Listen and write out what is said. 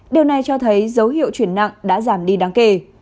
điều này cho thấy dấu hiệu chuyển nặng đã giảm đi đáng kể